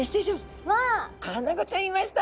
アナゴちゃんいました。